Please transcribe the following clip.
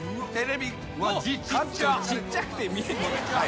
ちっちゃくて見えない。